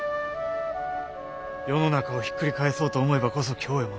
世の中をひっくり返そうと思えばこそ京へも上った。